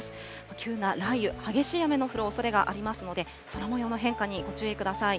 急な雷雨、激しい雨の降るおそれがありますので、空もようの変化にご注意ください。